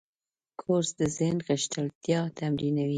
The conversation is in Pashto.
کورس د ذهن غښتلتیا تمرینوي.